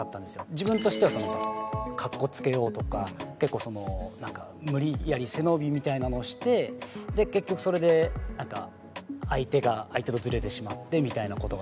自分としては格好付けようとか結構その無理やり背伸びみたいなのをして結局それでなんか相手が相手とずれてしまってみたいな事があって。